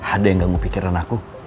ada yang nganggup pikiran aku